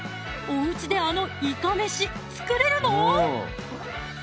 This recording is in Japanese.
おうちであのいかめし作れるの？